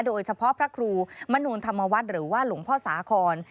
โดยเฉพาะพระครูมนุนธรรมวัตรหรือว่าหลงพ่อสาขอน